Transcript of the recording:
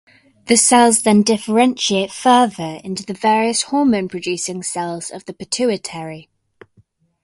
The cells then differentiate further into the various hormone-producing cells of the pituitary.